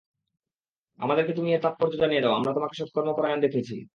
আমাদেরকে তুমি এর তাৎপর্য জানিয়ে দাও, আমরা তোমাকে সকর্মপরায়ণ দেখেছি।